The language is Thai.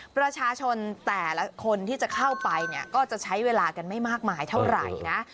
ประชาชนแต่ละคนที่จะเข้าไปเนี่ยก็จะใช้เวลากันไม่มากมายเท่าไหร่นะ